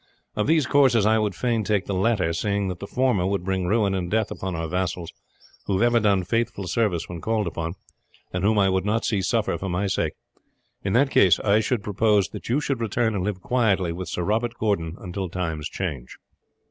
Of these courses I would fain take the latter, seeing that the former would bring ruin and death upon our vassals, who have ever done faithful service when called upon, and whom I would not see suffer for my sake. In that case I should propose that you should return and live quietly with Sir Robert Gordon until times change."